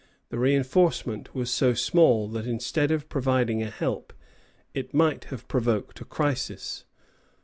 The reinforcement was so small that instead of proving a help it might have provoked a crisis.